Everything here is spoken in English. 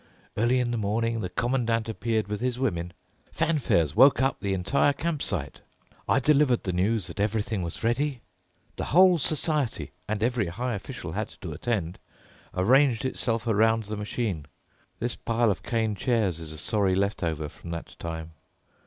Early in the morning the Commandant appeared with his women. Fanfares woke up the entire campsite. I delivered the news that everything was ready. The whole society—and every high official had to attend—arranged itself around the machine. This pile of cane chairs is a sorry left over from that time.